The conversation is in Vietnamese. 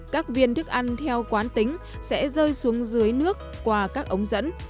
các viên thức ăn theo quán tính sẽ rơi xuống dưới nước qua các ống dẫn